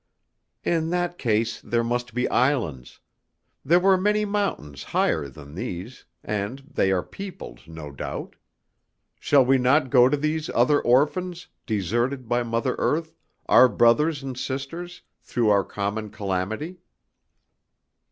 "In that case there must be islands; there were many mountains higher than these, and they are peopled, no doubt. Shall we not go to these other orphans, deserted by Mother Earth, our brothers and sisters, through our common calamity?"